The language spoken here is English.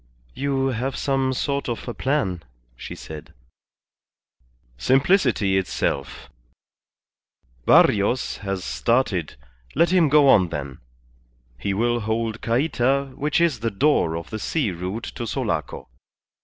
"You have some sort of a plan," she said. "Simplicity itself. Barrios has started, let him go on then; he will hold Cayta, which is the door of the sea route to Sulaco.